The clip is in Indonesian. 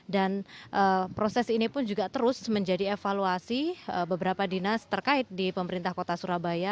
dan proses ini pun juga terus menjadi evaluasi beberapa dinas terkait di pemerintah kota surabaya